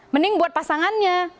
mending buat pasangannya